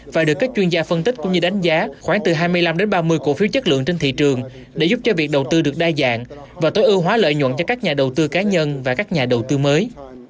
và được các chuyên gia phân tích cũng như đánh giá khoảng từ hai mươi năm ba mươi cổ phiếu chất lượng trên thị trường để giúp cho việc đầu tư được đa dạng và tối ưu hóa lợi nhuận cho các nhà đầu tư cá nhân và các nhà đầu tư mới